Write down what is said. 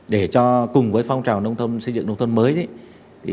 để cho cùng với phong trào xây dựng nông thôn mới